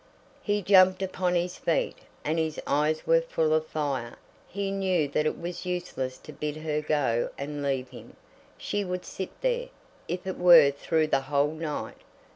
He jumped upon his feet, and his eyes were full of fire. He knew that it was useless to bid her go and leave him. She would sit there, if it were through the whole night.